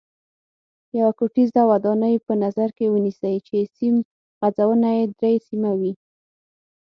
یوه کوټیزه ودانۍ په نظر کې ونیسئ چې سیم غځونه یې درې سیمه وي.